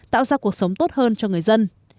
tạo ra cuộc sống tốt hơn cho người dân